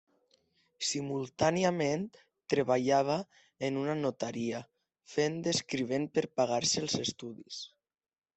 Simultàniament treballava en una notaria, fent d'escrivent per pagar-se els estudis.